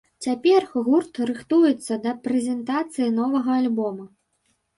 Цяпер гурт рыхтуецца да прэзентацыі новага альбома.